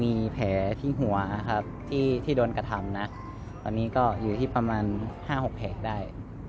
มีแผลที่หัวครับที่โดนกระทำนะตอนนี้ก็อยู่ที่ประมาณ๕๖แผลได้